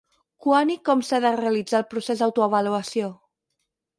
Quan i com s'ha de realitzar el procés d'autoavaluació?